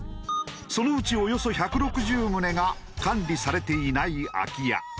そのうちおよそ１６０棟が管理されていない空き家。